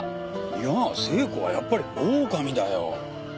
いや聖子はやっぱりオオカミだよ。